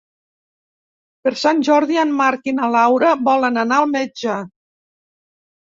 Per Sant Jordi en Marc i na Laura volen anar al metge.